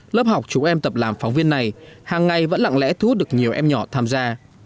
lớp học chúng em tập làm phóng viên này hàng ngày vẫn lặng lẽ thu hút được nhiều em nhỏ tham gia